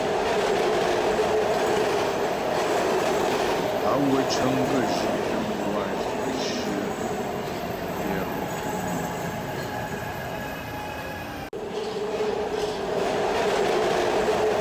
Á wə́ cə́ŋ gə zhí'tə mlwâ cyə̀ gɛ hɔ.